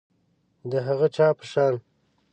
د هغه چا په شان